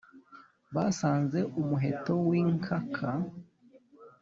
basanze umuheto w’inkaka